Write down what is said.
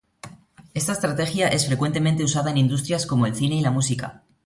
Esta estrategia es frecuentemente usada en industrias como el cine y la música.